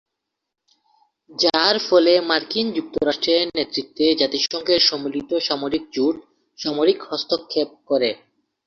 যার ফলে মার্কিন যুক্তরাষ্ট্রের নেতৃত্বে জাতিসংঘের সম্মিলিত সামরিক জোট সামরিক হস্তক্ষেপ করে।